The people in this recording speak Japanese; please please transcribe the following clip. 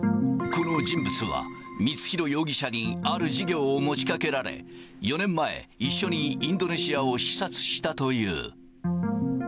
この人物は、光弘容疑者にある事業を持ちかけられ、４年前、一緒にインドネシアを視察したという。